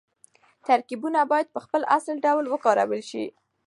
ترکيبونه بايد په خپل اصلي ډول وکارول شي.